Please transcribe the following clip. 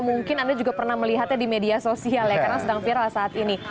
mungkin anda juga pernah melihatnya di media sosial ya karena sedang viral saat ini